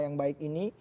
yang baik ini